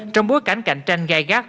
trong bối cảnh cạnh tranh gai gắt